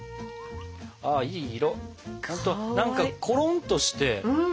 いい色何かコロンとして。